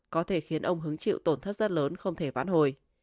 có thể khiến ông hứng chịu tổn thất rất lớn không thể vãn hồi